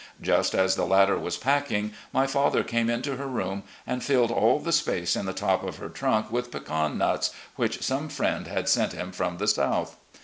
Just as the latter was packing, my father came into her room and filled all the space in the top of her trunk with pecan nuts, which some friend had sent him from the South.